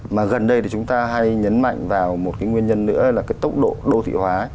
mà gần đây thì chúng ta hay nhấn mạnh vào một cái nguyên nhân nữa là cái tốc độ đô thị hóa